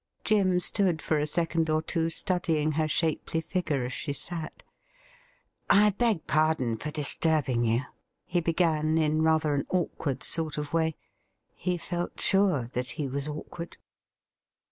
Jim stood for a second or two studying her shapely figure as she sat. ' I beg pardon for disturbing you,' he began, in rather an awkward sort of way. He felt sure that he was awkward.